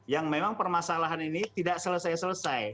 yang memang permasalahan ini tidak selesai selesai